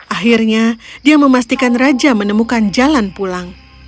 akhirnya dia memastikan raja menemukan jalan pulang